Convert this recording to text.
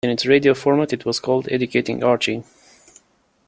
In its radio format it was called "Educating Archie".